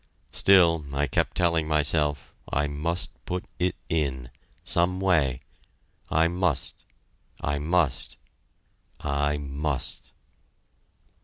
Still, I kept telling myself, I must put it in, some way I must I must I must.